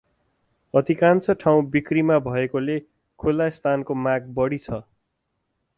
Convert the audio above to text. अधिकांश ठाउँ बिक्रीमा भएकाले खुला स्थानको माग बढी छ ।